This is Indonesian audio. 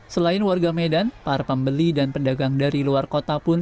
selain warga medan para pembeli dan pedagang dari luar kota pun